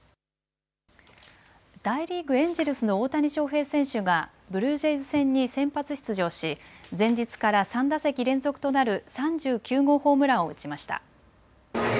大リーグ、エンジェルスの大谷翔平選手がブルージェイズ戦に先発出場し前日から３打席連続となる３９号ホームランを打ちました。